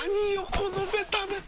このベタベタ。